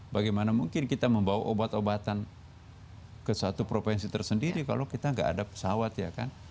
bagaimana mungkin kita membawa obat obatan ke satu provinsi tersendiri kalau kita nggak ada pesawat ya kan